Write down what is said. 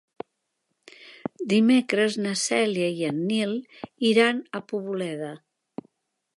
Dimecres na Cèlia i en Nil iran a Poboleda.